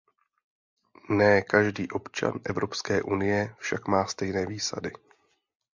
Ne každý občan Evropské unie však má stejné výsady.